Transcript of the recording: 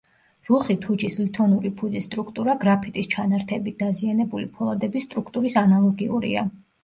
რუხი თუჯის ლითონური ფუძის სტრუქტურა გრაფიტის ჩანართებით დაზიანებული ფოლადების სტრუქტურის ანალოგიურია.